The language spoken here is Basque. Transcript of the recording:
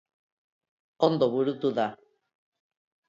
Ondo burutu da.